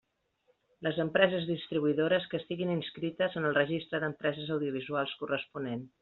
Les empreses distribuïdores que estiguin inscrites en el registre d'empreses audiovisuals corresponent.